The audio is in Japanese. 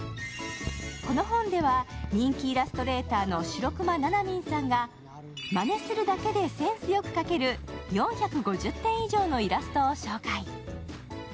この本では、人気イラストレーターのしろくまななみんさんが、まねするだけでセンスよく描ける４５０点以上のイラストを紹介。